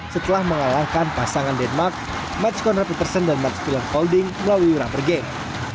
setelah mengalahkan pasangan denmark max conrad peterson dan max kuhler folding melalui rubber game